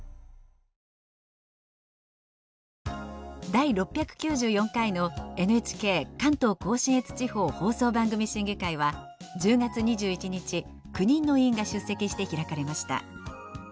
第６９４回のＮＨＫ関東甲信越地方放送番組審議会は１０月２１日９人の委員が出席して開かれました。